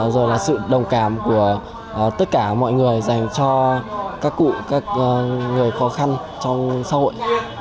rồi là sự đồng cảm của tất cả mọi người dành cho các cụ các người khó khăn trong xã hội